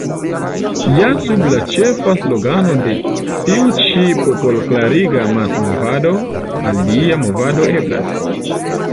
Ja sub la ĉefa slogano de tiu ĉi popolkleriga amasmovado Alia mondo eblas!